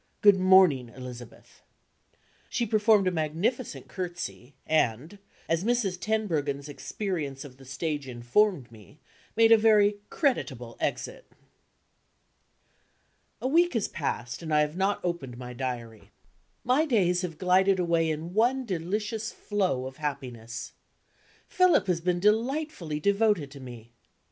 Good morning, Elizabeth." She performed a magnificent curtsey, and (as Mrs. Tenbruggen's experience of the stage informed me) made a very creditable exit. A week has passed, and I have not opened my Diary. My days have glided away in one delicious flow of happiness. Philip has been delightfully devoted to me.